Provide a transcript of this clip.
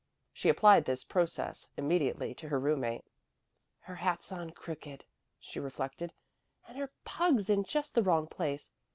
She applied this process immediately to her roommate. "Her hat's on crooked," she reflected, "and her pug's in just the wrong place.